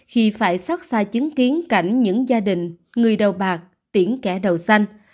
khi phải xót xa chứng kiến cảnh những gia đình người đầu bạc tiễn kẻ đầu xanh